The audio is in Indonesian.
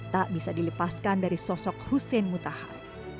tak bisa dilepaskan dari sosok hussein mutahar